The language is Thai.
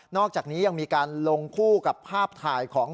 อกจากนี้ยังมีการลงคู่กับภาพถ่ายของ